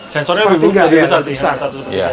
sensornya lebih besar